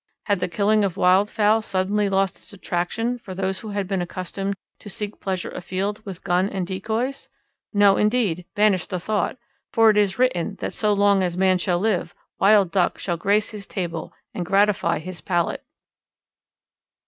Had the killing of wild fowl suddenly lost its attraction for those who had been accustomed to seek pleasure afield with gun and decoys? No, indeed, banish the thought, for it is written that so long as man shall live, Wild Duck shall grace his table and gratify his palate.